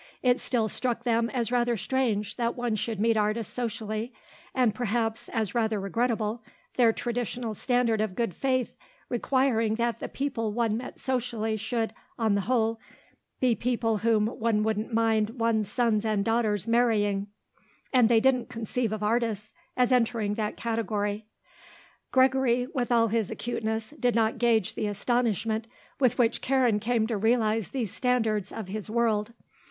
It still struck them as rather strange that one should meet artists socially and, perhaps, as rather regrettable, their traditional standard of good faith requiring that the people one met socially should, on the whole, be people whom one wouldn't mind one's sons and daughters marrying; and they didn't conceive of artists as entering that category. Gregory, with all his acuteness, did not gauge the astonishment with which Karen came to realize these standards of his world.